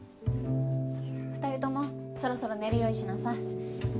２人ともそろそろ寝る用意しなさい。